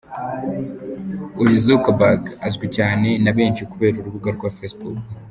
Uyu Zuckerberg azwi cyane na benshi kubera urubuga rwa Facebook.